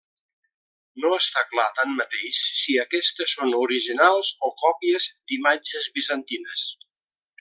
No està clar tanmateix si aquestes són originals o còpies d'imatges bizantines.